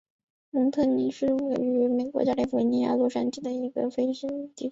蒙特尼多是位于美国加利福尼亚州洛杉矶县的一个非建制地区。